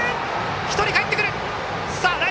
１人かえってくる。